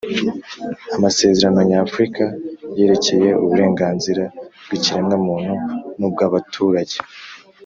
amasezerano nyafrika yerekeye uburenganzira bw’ikiremwamuntu n’ubwabaturage,